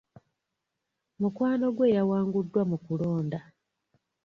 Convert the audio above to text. Mukwano gwe yawanguddwa mu kulonda.